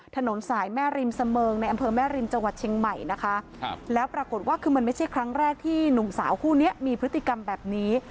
ถนนสายแม่ริมเสมิงในอำเภอแม่ริมจังหวัดเชียงใหม่นะคะครับแล้วปรากฏว่าคือมันไม่ใช่ครั้งแรกที่หนุ่มสาวคู่นี้มีพฤติกรรมแบบนี้